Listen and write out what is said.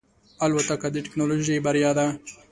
الوتکه د ټکنالوژۍ بریا ده.